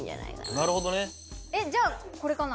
・なるほどね・じゃあこれかな？